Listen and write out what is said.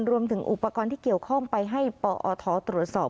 รวมถึงอุปกรณ์ที่เกี่ยวข้องไปให้ปอทตรวจสอบ